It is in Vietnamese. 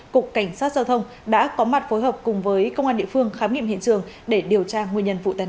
cục cảnh sát giao thông đã có mặt phối hợp cùng với công an địa phương khám nghiệm hiện trường để điều tra nguyên nhân vụ tai nạn